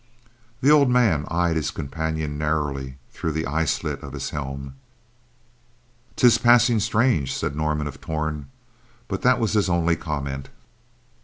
The old man eyed his companion narrowly through the eye slit in his helm. "'Tis passing strange," said Norman of Torn but that was his only comment.